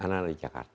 anak anak di jakarta